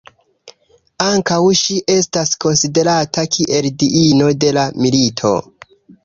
Ankaŭ ŝi estas konsiderata kiel diino de la milito.